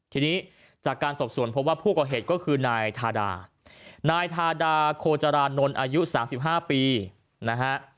ทีนี้จากการสอบส่วนพบว่าผู้ก่อเหตุก็คือนายทาดานายทาดาโคจรานนท์อายุ๓๕ปีนะฮะ